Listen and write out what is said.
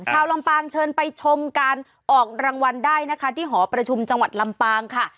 ชาวลำปางเชิญไปชมการออกรางวัลได้นะคะที่หอประชุมจังหวัดลำปางค่ะ